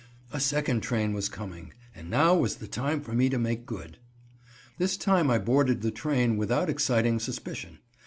A second train was coming; and now was the time for me to make good! This time I boarded the train without exciting suspicion.